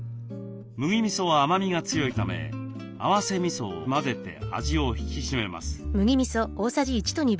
麦みそは甘みが強いため合わせみそを混ぜて味を引き締めます。